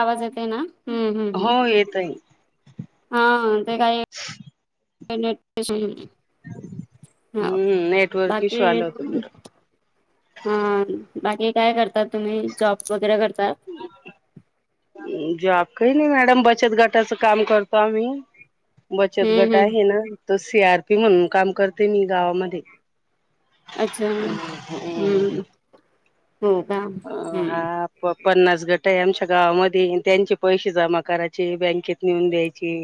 आवाज येते ना हम हम हम. येतंय. हा ते काही [unintelligible] हो हम्म नेटवर्क इश्यू आलं होतं बाकी. हा बाकी काय करता, तुम्ही जॉब वगैरे करता. जॉब काही नाही मॅडम बचत गटाचं काम करतो आम्ही. बचत हम्म गट हम्म. आहे ना तो सी आर पी म्हणून काम करते मी गावामध्ये. अच्छा हम्म हो का अ हम्म. हा प पन्नास गट आहे आमच्या गावामध्ये त्यांचे पैसे जमा करायचे बँकेत नेऊन द्यायचे.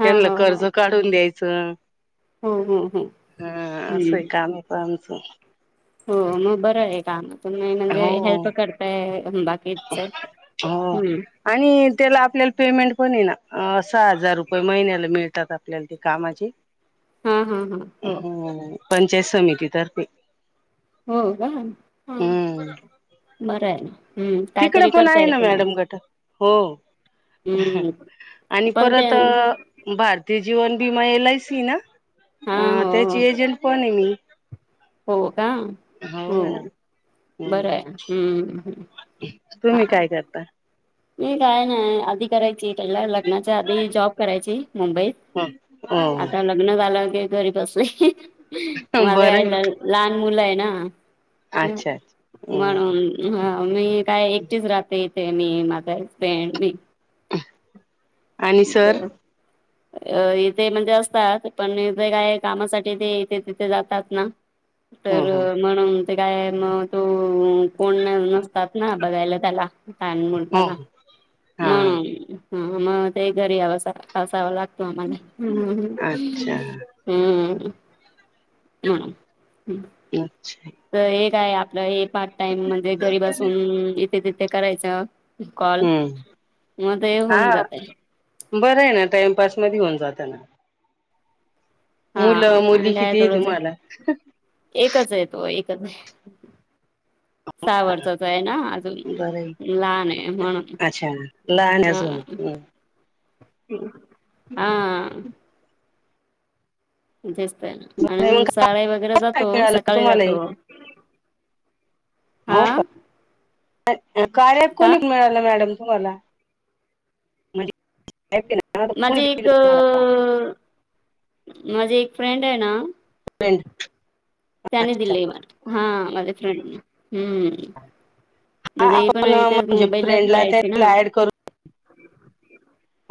हा त्यांला हो हो. कर्ज काढून द्यायचं. हो हो हो. हा असय हम्म. कामी पा आमचं. हो मग बरं आहे काम तुम्ही म्हणजे हो हेल्प करताय बाकी हो आणि त्याला आपल्याला पेमेंट आहे ना. अ सहा हजार रुपये महिन्याला मिळतात आपल्याला ते कामाचे. हा हा हा. हो. हम्म्म पंचायत समितीतर्फे. हो का हा हम्म बरं आहे. हम्म. तिकडं कायतरी पण आहे करताय ना तुम्ही. मॅडम गट हो. हम्म. आणि पण ते परत अ भारतीय जीवन बीमा एल आय सी ना हा अ हो त्याची हो. एजंट पण आहे मी. हो का हो हम्म बरं आहे हम्म हम्म. तुम्ही हा काय करता? मी काय नाय आदी करायची पहिला लग्नाच्या आधी जॉब करायची मुंबईत हो आता हो लग ग्न झालं की घरी बसले मला बरं आहे यायला लहान मुलं आहे ना. येव अच्छा अच्छा हम्म म्हणून हा मी काय एकटीच राहते इथे मी मा करपे मी. आणि सर [unintelligible] अ इथे म्हणजे असतात पण इथे काय कामासाठी ते इथे तिथे जातात ना. हो तर हो म्हणून ते काय म तो कोण न नसतात ना बघायला त्याला. लहान हो मुलगाला हो हा म्हणून हा म ते घरी यावस असावं लाग तो आम्हाने हम्म अच्छा हम्म. म्हणून हम्म. अच्छा तर हे काय आपलं हे पार्ट टाइम म्हणजे घरी बसून इथे तिथे करायचं कॉल हम्म म ते होऊन हा जाते. बरं आहे ना टाइमपास मध्ये होऊन जातं ना. हा मुलं आणि मुली काय किती आहे थोडंच तुम्हाला? एकच आहे तो एकच आहे. सहा वर्षाचा आहे ना अजून बरं आहे लहान आहे म्हणून अच्छा लहान आहे हा. अजून मग आं तेच तर आणि कसं शाळे वगैरे जातो मिळालं सकाळी तुम्हालाही जातो. हो हा का कार्या ऐप का कोणी मिळालं मॅडम तुम्हाला? म्हणजे [unintelligible] माझी एक तुम्हाला माझी एक फ्रेंड आहे ना फ्रेंड त्यांनी अच्छा दिले मला हा माझे फ्रेंड नी हम्म. हा म्हणजे हे पण आपण आहे तर म्हणजे मुंबईलाच फ्रेंडला राहायचे ना त्यांला ऍड करू.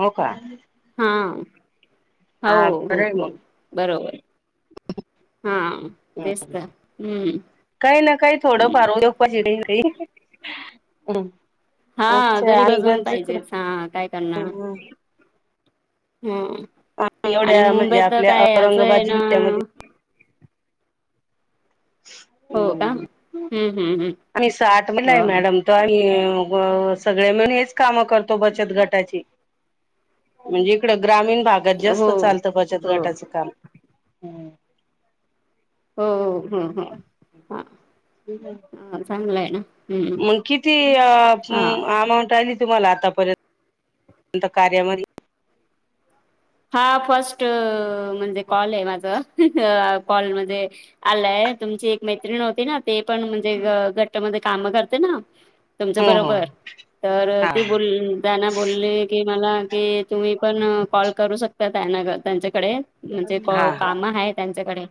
हो का. हां हाव हा हो बरं आहे हो मग बरोबर. हा हं. तेच तर ह़ काही ना ह. [unintelligible] हा अच्छा आणि गरीबअजून गंज इकडं पाहिजेच हा काय करणार हं, हं. ह. आम्ही आणि एवढ्या म्हणजे मुंबईत तर आपल्या काय असं औरंगाबाद हेन. जिल्ह्यामध्ये हो का अम. हम्म हम्म आणि साठ म्हलाय हम्म मॅडम. काय हे सगळे मिळून हेच काम करतो बचत गटाची. म्हणजे इकडं ग्रामीण भागात हो जास्त हो चालतं बचत हो गटाचं काम ह. हो हो हो ह ह चांगलं हायना. मग किती अमाऊट आली तुम्हाला आतापर्यंत. अंत कार्यामध्यी. हा फर्स्ट म्हणजे कॉल आहे. माझं कॉल म्हणजे, आलाय तुमची एक मैत्रिण होती ना. ती पण म्हणजे गटमध्ये काम करते ना. तुमचं हो हो बरोबर तर हा ती बोल त्यांन बोले की मला कि तुम्ही पण कॉल करू शकता त्यांना त्यांच्याकडे. म्हणजे हा काम आहेत तेच्याकडे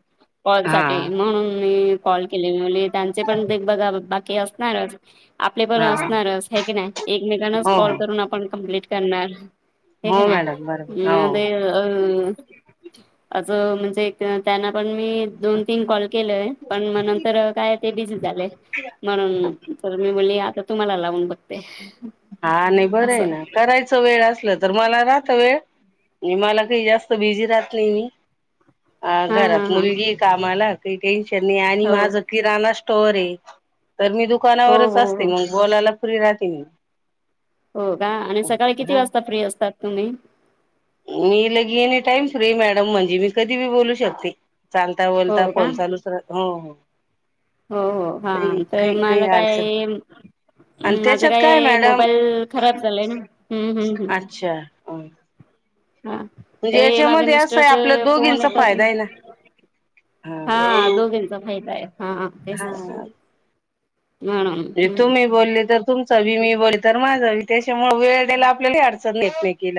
कॉल हा साठी म्हणून मी कॉल केलेली. त्यांचे पण ते बघा बाकी असणारच. आपले पण हा असणारच हे कणी एकमेकांनाच हो कॉल हो करून आपण कंप्लीट करणार. हे हो की नाय मॅडम बरोबर म हो. ते अ असं म्हणजे, त्यांना पण मी दोन तीन कॉल केलंय. पण मग नंतर काय ते बिझी झालेय. म्हणून तर मी बोले आता तुम्हाला लावून बघते. हा नाही बरं आहे असं ना, करायचं वेळ असल तर मला राहतं वेळ. मला काय जास्त बिझी राहत नाही. अ हा हा घरात हा मुलगी आहे कामाला. काही टेन्शन नाही आणि हो माझं. किराणा स्टोअर ये. तर मी हो दुकानावरच हो असते हो मग बोलायला फ्री राहते मी. हो का आणि सकाळी किती हा वाजता फ्री असतात तुम्ही. मी येणी टाईम फ्री मॅडम म्हणजे, मी कधी बी बोलू शकते. चालता हो बोलता का फोन चालूच राहतो हो हो. हो हो हा काही तर काही काही मला काय. अडचण म आणि माझं त्याच्यात काय मॅडम मोबाईल खराब झालंय ना हम हम हम. अच्छा. अ. हा तर हे माझं असं आहे मिस्टरच आपल्या फोन दोघींचा येतात फायदा आहे ना. हा दोघींचा फायदा आहे. हा तेच हा तर. म्हणजे म्हणून तुम्ही बोले तर. तुमचं बी मी बोले तर माझं, तेच्यामुळे वेळ द्यायला आपल्याला ही अडचण येत नाही की.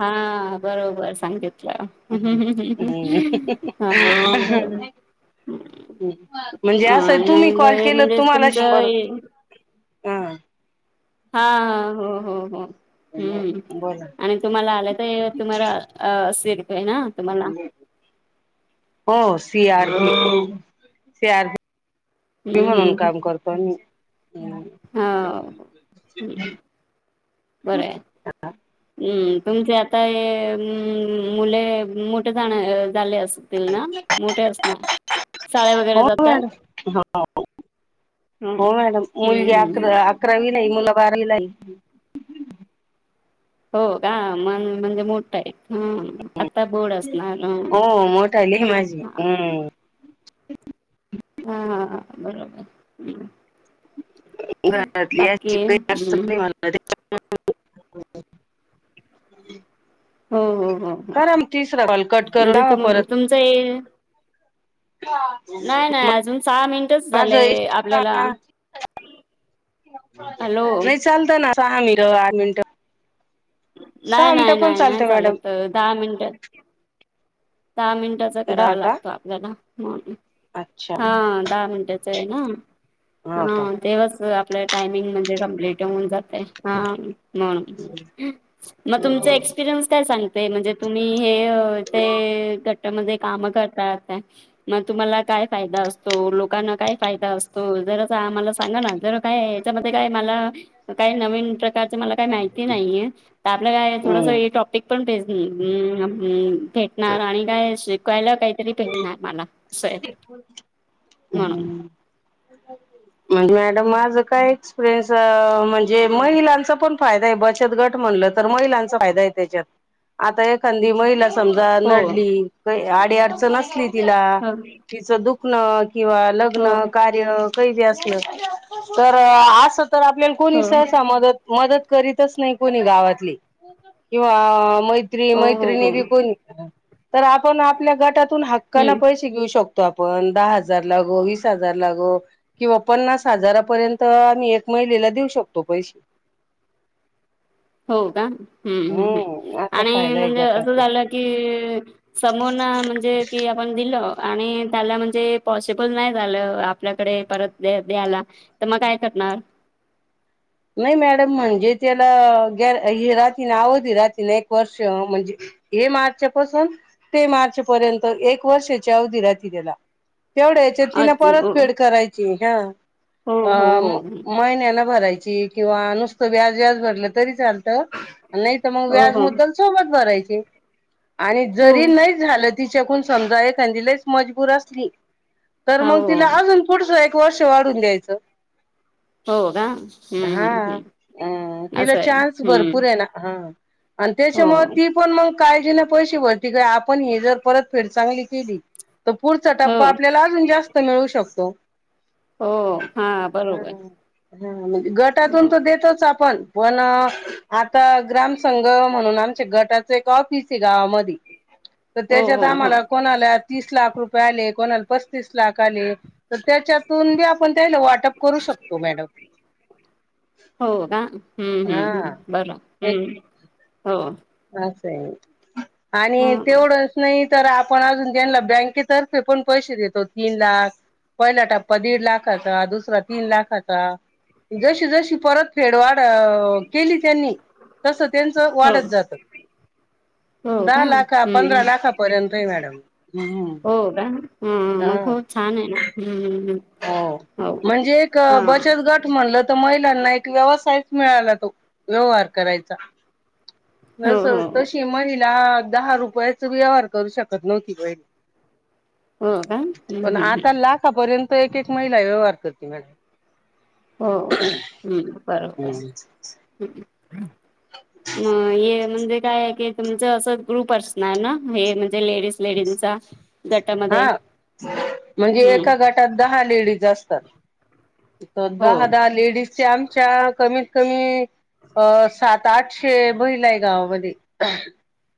हा बरोबर सांगतेत. [unintelligible] हा बरोबर म्हणजे अ असं हाय तुम्ही कॉल नाही केला तर म्हणजे तुम्हाला शंभर. तुमचं हम. हा हा हो हो हो हम्म बोला आणि तुम्हाला आलं काय तुम्हाला. अ सिरपे ना. तुम्हाला हो सी आर [unintelligible] हम्म म्हणून काम करतो मी. ह हम बरं हाय. उम्म तुमचे आता ये मुले मोठे जाणं झाले अस तील ना मोठे असणार शाळे वगैरे हो मॅडम जातात? हा हम्म हो मॅडम मुलगी हम्म हम् अकरा अकरावी मुला बारावीला हाय. हो का मन म्हणजे मोठा आहे. हम्म आता बोड असणार हम्म हो मोठाली आहे माझी हा. हम्म हा हा बरोबर हम्म. बाकी हम् [unintelligible] हो हो हो. हो करा म तिसरा कॉल कट करून म्हणजे लावा तुम परत. तुमचं नाय नाय अजून सहा मिनिटच माझं झालेय आपल्याला. हॅलो नाही चालतं ना सहा मिट आठ मिनटं. नाय नाय पण नाय नाय चालतं मॅडम चालत दहा मिनटा दहा मिनिटाचा करावा दहा का लागतो आपल्याला म्हणून अच्छा हा. दहा मिनिटाचा आहे ना हो का हा. तेवस आपल्या टायमिंग म्हणजे कंप्लीट होऊन जाते हा म्हणून. म तुमचा एक्सपिरियन्स काय सांगते म्हणजे तुम्ही हे अ ते ते गटामध्ये कामं करता त्या म तुम्हाला काय फायदा असतो लोकांना काय फायदा असतो जरासा आम्हाला सांगा ना जर काय याच्यामध्ये काय मला काही नवीन प्रकारचा मला काही माहिती नाहीये तर आपल्या काय थोडस हम्म हे टॉपिक पण भेज उम्म भेटणार आणि काय शिकवायला काही तरी भेटणार मला असय म्हणुन. हम्म मॅडम माझं काय एक्सपिरीयन्स म्हणजे महिलांचा पण फायदा आहे बचत गट म्हणलं तर महिलांचा फायदा आहे त्याच्यात आता एखांदी महिला समजा हो नडली काही अडी अडचण असली तिला हो तिचं दुखणं किंवा हो लग्न, कार्य काय बी असलं तर असं तर आपल्याला कोणी हो हो सहसा मदत मदत करीतच नाही कोणी गावातली किंवा मै त्रि हो हो हम्म मैत्रिणी तर आपण आपल्या गटातून हक्काने पै शे घेऊ शकतो आपण दहा हजार लागो वीस हजार लागो. किंवा पन्नास हजारापर्यंत आम्ही एक महिलेला देऊ शकतो पैशे. हो का हम्म हम्म. असा आणि फायदा आहे म्हणजे असं गटाचा झालं की समोर ना म्हणजे कि आपण दिलं आणि त्याला म्हणजे पॉसिबल नाही आपल्याकडे परत द्यायला तर मग काय करणार. नाही मॅडम म्हणजे त्याला ग हे राहती ना आवधी राहती ना एक वर्ष म्हणजे हे मार्चापासून ते मार्च पर्यंत एक वर्षाच्या अवधी राहती त्याला. तेवढ्याच्या तिनं अच परत हो पेड करायची हा हो हो अ म हो महिन्यान भराय चीनकिंवा नुसतं व्याज व्याज भरलं तरी चालतं नाहीतर मंग हो व्याज हो मुद्दल सोबत भरायची आणि हो जरी नाही झालं तिच्याकू न समजाय त्यांजी लईच मजबूर असली तर तिला हो अजून पुढचं एक वर्ष वाढवून द्यायचं. हो का. हम्म हा हम्म हम्म अ तिला असं आहे चान्स भरपूर हम्म आहे ना हा अन हो त्याच्यामुळे ती पण मग काळजीने पैसे भरती गं आपण जर ही परत पेड चांगली केली तर पुढचा हो टप्पा आपल्याला अजून जास्त मिळू शकतो. हो हा बरोबर. हम्म. हा म्हणजे गटातून तर हो देतोच आपण पण आता ग्राम संंघ म्हणून आमच्या गटाच एक ऑफिस आहे गावामध्ये. तर त्याच्यात हो हो आम्हाला कोणाला तीस लाख रुपये आले कोणाला पस्तीस लाख आले तर त्याच्यातून बी आपण त्याला वाटअप करू शकतो मॅडम. हो का हम्म हा हम्म हम्म बर एक हम् हो. असं आहे आणि हं तेवढं नाहीतर आपण अजून त्यांना बँकेतर्फे पण पैसे देतो तीन लाख पहिला टप्पा दीड लाखाचा दुसरा टप्पा तीन लाखाचा जशी जशी परत फेडवाड अ केली त्यांनी तसं त्यांचं हो वाढत जातं. हो का दहा लाखा पंधरा हम्म लाखापर्यंतय मॅडम. हम्म हो का हा मघ खूप हा छान आहे हा हा. हो म्हणजे एक बचत गट म्हणलं महिलांना एक व्यवसायच मिळाला तो व्यवहार करायचा. हो जस हो हो तशी महिला दहा रुपयाच व्यवहार करू शकत नव्हती बाई हो का हम्म पण हम्म आता लाखापर्यंत एक एक महिला व्यवहार करते मॅडम. हो हम् बरोबर आहे. हम्म मग हे म्हणजे काय आहे तूमच असं ग्रुप असणार ना हे म्हणजे लेडीज लेडीजचा? गटामध्ये हा म्हणजे हम्म एका गट तर दहा लेडीज असतात हो दहा दहा लेडीजच्या आमच्या कमीत कमी अ सात आठशे महीला आहे गावामध्ये.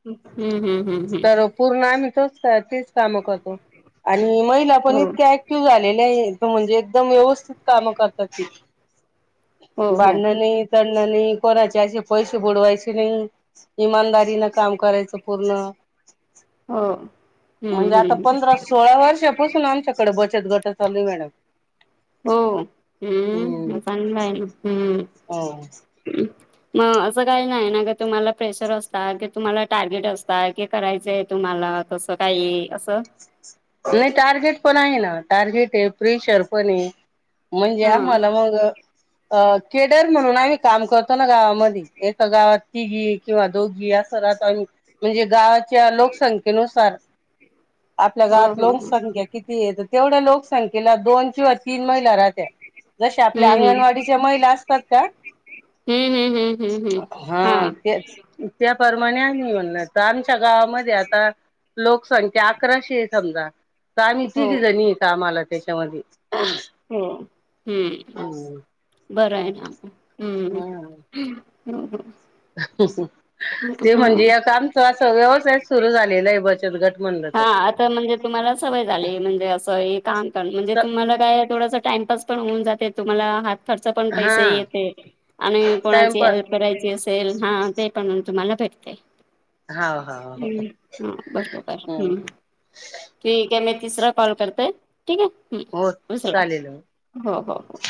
हम्म हम्. तर पूर्ण आम्ही तोच तेच काम करतो आणि महिला पण हो इतक्या झालेला आहे तो म्हणजे एकदम व्यवस्थित कामं करतात ती हो हो भांडण नाही टंडन नाही कोणाचे असे पैसे बुडवायचे नाही. इमानदारीन काम करायचं पूर्ण. हो. म्हणजे हम्म आता हम्म पंधरा सोळा वर्षापासून आमच्याकडे बचत गट चालू ए मॅडम. हो हम्म हम् चांगलं आहे ना हम् [unintelligible] हो. मग असं काही नाही ना तुम्हाला प्रेशर असत कि तुम्हाला टार्गेट असत क करायचंय तुम्हाला तसं काही असं नाही टार्गेट पण आहे ना टार्गेट आहे प्रिशर पण आहे. म्हणजे हा आम्हाला मग अ केडर म्हणून आम्ही काम करतो ना गावामध्ये एका गावात तिघी किंवा दोघी अस [unintelligible] स म्हणजे गावाच्या लोकसंख्येनुसार आपल्या हो गावात हो हो ख्या किती येत तेवढ्या लोकसंख्येला दोन किंवा तीन महिला राहत्या जसे आपल्या हम्म अंगणवाडीच्या महिला असतात का हम्म हम्म हम्म हम्म हम्म हम्म हा ते त्याप्रमाणे आम्ही [unintelligible] येनणार तर आमच्या गावामध्ये आता लोकसंख्या अकराशे ए समजा. तर आम्ही हो तिघीजणी कामाला आहे त्याच्यामध्ये. हो हम्म बर आहे ना हम्म. हम्म हम्म. ते म्हणजे एक आमचा असं व्यवसायच सुरू झालायलय बचत गट. म्हणलं हा आ ता म्हणजे तुम्हाला सवय झाली म्हणजे असं हे काम करण म्हणजे तर तुम्हाला काय थोडस टाइमपास पण होऊन जाते तुम्हाला हात खर्चा पण हा पैसे येते आणि कोणाची टाइमपास हेल्प करायची असेल हा ते पण तुम्हाला भेटते. हा हा हम्म हा बरोबर हम्म. ठीक आहे मी तिसरा कॉल करतय ठीक आहे हो हम्म उचला. चालेल हो हो हो.